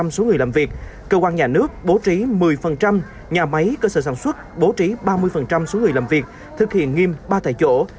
chín mươi số người làm việc cơ quan nhà nước bố trí một mươi nhà máy cơ sở sản xuất bố trí ba mươi số người làm việc thực hiện nghiêm ba tại chỗ